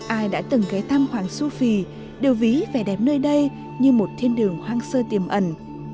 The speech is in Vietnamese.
ai đã từng ghé thăm hoàng su phi đều ví vẻ đẹp nơi đây như một thiên đường hoang sơ tiềm ẩn